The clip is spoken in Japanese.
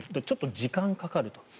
ちょっと時間がかかると。